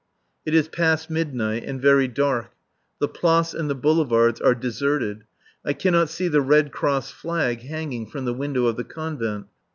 It is past midnight, and very dark. The Place and the boulevards are deserted. I cannot see the Red Cross flag hanging from the window of the Convent.